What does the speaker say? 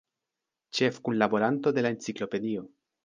Ĉefkunlaboranto de la Enciklopedio.